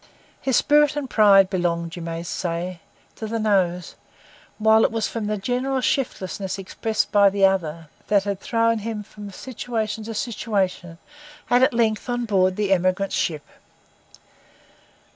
His spirit and his pride belonged, you might say, to the nose; while it was the general shiftlessness expressed by the other that had thrown him from situation to situation, and at length on board the emigrant ship.